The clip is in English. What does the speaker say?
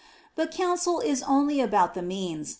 But counsel is only about the means.